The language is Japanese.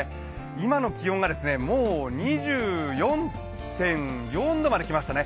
今の気温がもう２４．４度まできましたね。